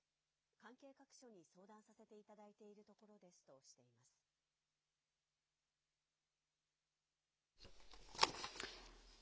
関係各所に相談させていただいているところですとしています。